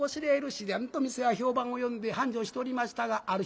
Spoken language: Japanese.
自然と店は評判を呼んで繁盛しておりましたがある日のこと。